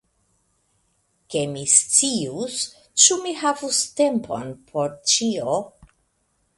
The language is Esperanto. Ke mi scius, ĉu mi havus tempon por ĉio.